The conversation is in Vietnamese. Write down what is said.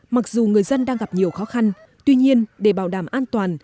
mặc dù người dân đang gặp nhiều khó khăn tuy nhiên để bảo đảm an toàn